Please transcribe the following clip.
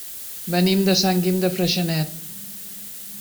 Venim de Sant Guim de Freixenet.